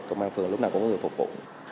công an phường lúc nào cũng có người phục vụ